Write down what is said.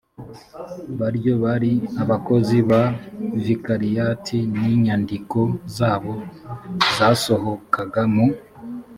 baryo bari abakozi ba vikariyati n inyandiko zabo zasohokaga mu